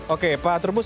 oke pak terubus